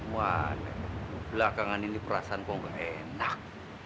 wah belakangan ini perasan kok gak enak